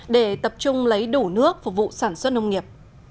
để tập trung lấy đủ nước phục vụ sản xuất nông nghiệp